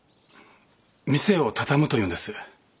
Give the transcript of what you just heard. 店を畳むと言うんです。